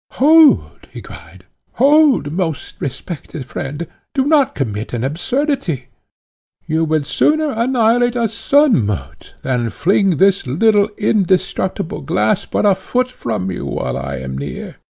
"Hold!" he cried; "hold, most respected friend; do not commit an absurdity. You would sooner annihilate a sun moat than fling this little indestructible glass but a foot from you, while I am near.